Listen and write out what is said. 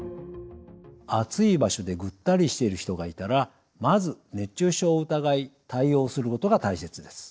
暑い場所でぐったりしている人がいたらまず熱中症を疑い対応することが大切です。